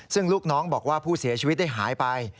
ซึ่งลูกน้องบอกว่าผู้เสียชีวิตได้หายไป